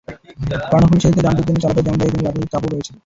কর্ণফুলী সেতুতে যানজটের জন্য চালকেরা যেমন দায়ী, তেমনি রাজনৈতিক চাপও রয়েছে।